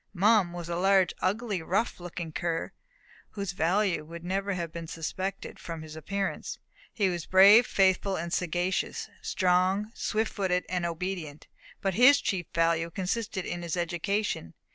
Mum was a large, ugly, rough looking cur, whose value would never have been suspected from his appearance. He was brave, faithful, and sagacious; strong, swift footed, and obedient. But his chief value consisted in his education.